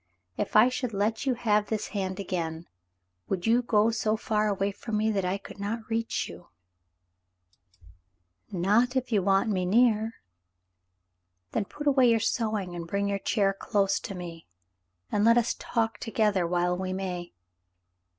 If I should let you have this hand again, would you go so far away from me that I could not reach you .^" *'Not if you want me near." "Then put away your sewing and bring your chair close to me, and let us talk together while we may."